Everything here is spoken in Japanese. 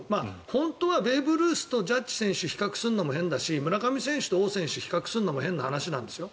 本当はベーブ・ルースとジャッジ選手を比較するのも変だし村上選手と王選手を比較するのも変な話なんですよ。